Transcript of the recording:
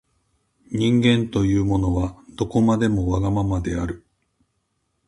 人間というものは、どこまでもわがままである。